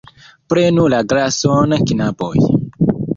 Prenu la glason, knaboj!